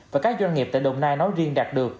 và các doanh nghiệp tại đồng nai nói riêng đạt được